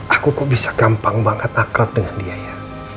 aku kok bisa gampang banget akrab dengan dia ya